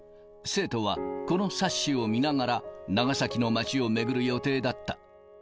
生徒はこの冊子を見ながら、長崎の町を巡る予定だった。